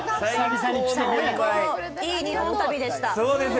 いい日本旅でした。